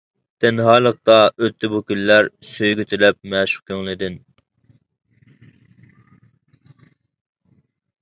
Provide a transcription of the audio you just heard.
تەنھالىقتا ئۆتتى بۇ كۈنلەر، سۆيگۈ تىلەپ مەشۇق كۆڭلىدىن.